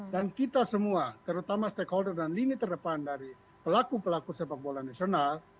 dan kita semua terutama stakeholder dan lini terdepan dari pelaku pelaku sepak bola nasional